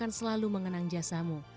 akan selalu mengenang jasamu